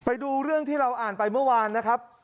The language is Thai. ไปดูเรื่องที่เราอ่านไปเมื่อวานนะครับ